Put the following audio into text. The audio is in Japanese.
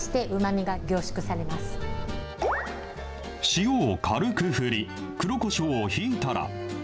塩を軽くふり、黒こしょうをひいたら。